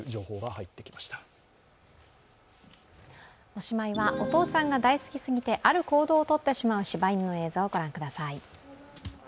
おしまいはお父さんが大好きすぎてある行動を取ってしまう、しば犬の映像をご覧ください。